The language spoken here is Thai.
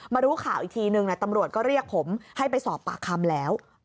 รู้ข่าวอีกทีนึงตำรวจก็เรียกผมให้ไปสอบปากคำแล้ว